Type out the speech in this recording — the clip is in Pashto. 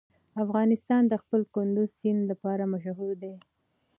افغانستان د خپل کندز سیند لپاره مشهور دی.